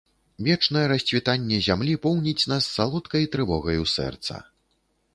Вечнае расцвітанне зямлі поўніць нас салодкай трывогаю сэрца.